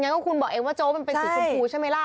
อย่างนั้นก็คุณบอกเองว่าโจเป็นสุขสุภูใช่ไหมล่ะ